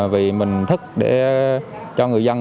vì mình thức để cho người dân